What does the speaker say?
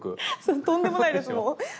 とんでもないです。